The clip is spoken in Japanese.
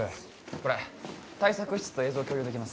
これ対策室と映像を共有できます